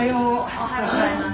おはようございます。